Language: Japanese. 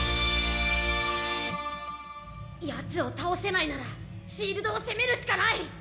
ヤツを倒せないならシールドを攻めるしかない。